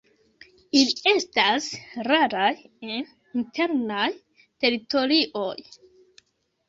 Ili estas raraj en internaj teritorioj.